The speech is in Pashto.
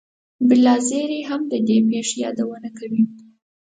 بلاذري هم د دې پېښې یادونه کوي.